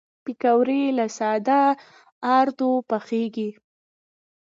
پکورې له ساده آردو پخېږي